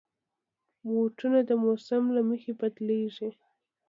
بوټونه د موسم له مخې بدلېږي.